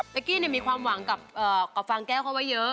เมื่อกี้มีความหวังกับฟังแก้วเขาว่าเยอะ